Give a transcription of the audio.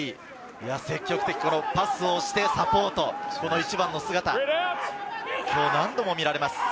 積極的にパスをして、サポートする１番の姿、何度も見られます。